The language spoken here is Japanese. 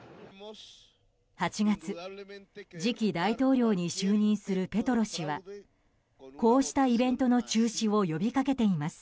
８月、次期大統領に就任するペトロ氏はこうしたイベントの中止を呼びかけています。